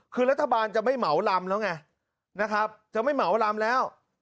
คือรัฐบาลจะไม่เหมาลำแล้วไงนะครับจะไม่เหมาลำแล้ว